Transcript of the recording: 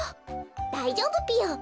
だいじょうぶぴよ。